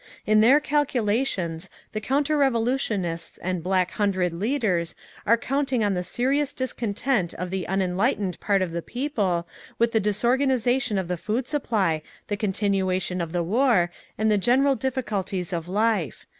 "In their calculations, the counter revolutionists and Black Hundred leaders are counting on the serious discontent of the unenlightened part of the people with the disorganisation of the food supply, the continuation of the war, and the general difficulties of life.